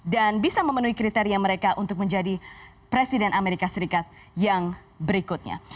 dan bisa memenuhi kriteria mereka untuk menjadi presiden amerika serikat yang berikutnya